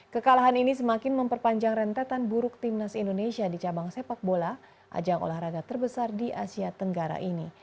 kekalahan ini semakin memperpanjang rentetan buruk timnas indonesia di cabang sepak bola ajang olahraga terbesar di asia tenggara ini